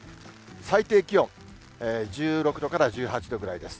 最低気温、１６度から１８度ぐらいです。